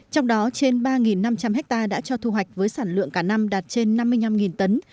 trong đó trên ba năm trăm linh hectare đã cho thu hoạch với sản lượng cả năm đạt trên năm mươi năm tấn